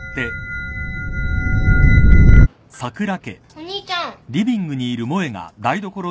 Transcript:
お兄ちゃん。